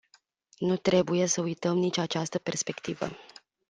Nu trebuie să uităm nici această perspectivă.